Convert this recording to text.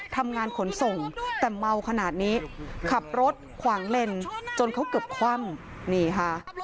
ขนส่งแต่เมาขนาดนี้ขับรถขวางเลนจนเขาเกือบคว่ำนี่ค่ะ